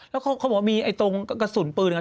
แล้วเขาบอกว่ามีไอ้ตรงกระสุนปืน